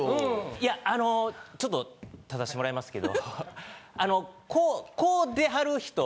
いやあのちょっと立たせてもらいますけどあのこう出はる人。